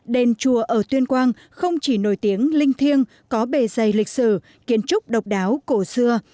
đền chùa ở tuyên quang không chỉ nổi tiếng linh thiêng có bề dày lịch sử kiến trúc độc đáo cổ xưa